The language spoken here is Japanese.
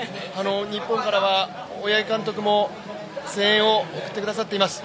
日本からは大八木監督も声援を送ってくださっています。